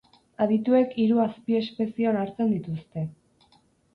Adituek hiru azpiespezie onartzen dituzte.